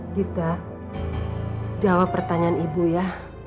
kita jawab pertanyaan ibu ya